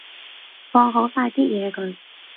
放好晒啲嘢佢